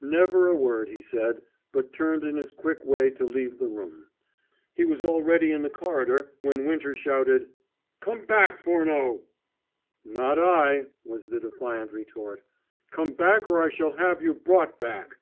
Never a word he said, but turned in his quick way to leave the room. He was already in the corridor when Winter shouted: "Come back, Furneaux!" "Not I," was the defiant retort. "Come back, or I shall have you brought back!"